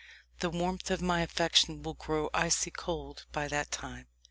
The warmth of my affection will grow icy cold by that time."